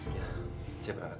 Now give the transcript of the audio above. siap rangga pak